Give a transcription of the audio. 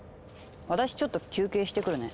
私ちょっと休憩してくるね。